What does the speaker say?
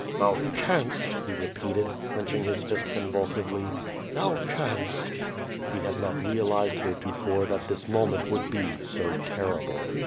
'*Thou canst!'* he repeated, clench ing his fist convulsively, "Thou canst!" He had not realized heretofore that this moment would be so terrible.